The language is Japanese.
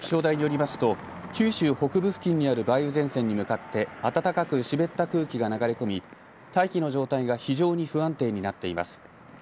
気象台によりますと九州北部付近にある梅雨前線に向かって暖かく湿った空気が流れ込み大気の状態が非常に不安定になっています。